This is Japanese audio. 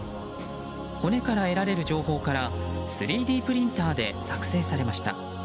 骨から得られる情報から３Ｄプリンターで作成されました。